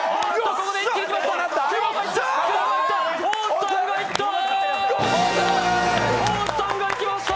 ここで一気にきました。